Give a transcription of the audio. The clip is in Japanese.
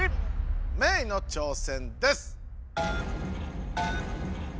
メイの挑戦です！